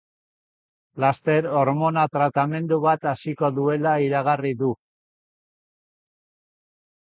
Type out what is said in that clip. Laster, hormona tratamendu bat hasiko duela iragarri du.